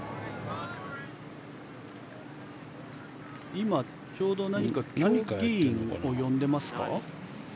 今、ちょうど何か競技委員を呼んでいますか？